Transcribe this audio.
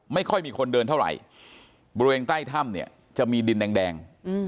ไม่ค่อยมีคนเดินเท่าไหร่บริเวณใกล้ถ้ำเนี่ยจะมีดินแดง